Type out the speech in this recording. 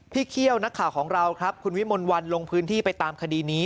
เคี่ยวนักข่าวของเราครับคุณวิมลวันลงพื้นที่ไปตามคดีนี้